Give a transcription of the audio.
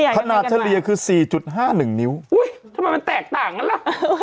ขนาดเฉลี่ยคือ๔๕๑นิ้วทำไมมันแตกต่างนั้นล่ะ